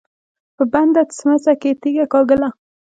په بنده سمڅه کې يې تيږه کېکاږله.